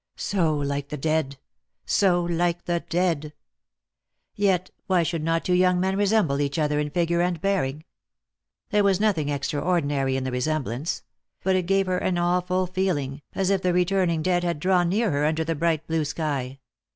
So like the dead — so like the dead ! Yet why should not two young men resemble each other in figure and bearing ? There was nothing extraordinary in the resemblance ; but it gave her an awful feeling, as if the returning dead had drawn near her under the bright blue sky.